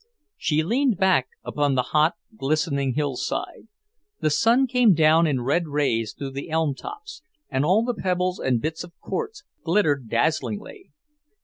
She leaned back upon the hot, glistening hill side. The sun came down in red rays through the elm tops, and all the pebbles and bits of quartz glittered dazzlingly.